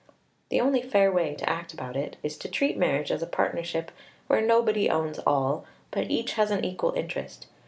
The only fair way to act about it is to treat marriage as a partnership where nobody owns all, but each has an equal interest.